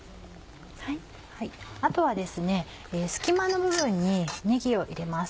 あとはですね隙間の部分にねぎを入れます。